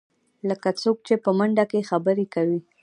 لکه څوک چې په منډه کې خبرې کوې.